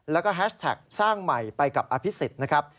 แล้วก็แฮชแท็กสร้างใหม่ไปกับอภิษฎนะครับ